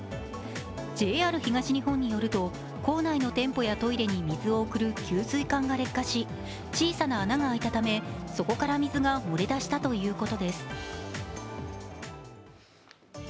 ＪＲ東日本によると、構内のトイレや店舗に水を送るポンプが劣化し、小さな穴が開いたためそこから水が漏れ出したということです。